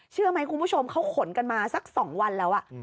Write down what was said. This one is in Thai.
เชื่อไหมคุณผู้ชมเขาขนกันมาสัก๒วันแล้ว